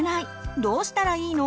どうしたらいいの？